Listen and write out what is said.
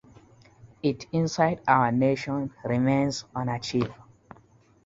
It insists our nation remains unachieved.